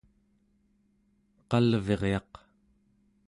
qalviryaq